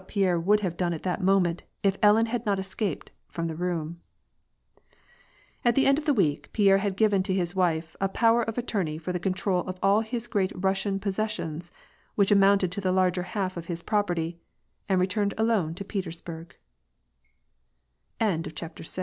Pierre would have done at that moment if Ellen had not es caped from the room. At the end, of a week, Pierre had given to his wife a power of attorney for the control of all his Great Russian possessioiiS; which amounted to the larger half of his property, and r